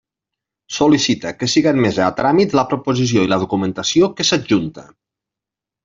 Sol·licita, que siga admesa a tràmit la proposició i la documentació que s'adjunta.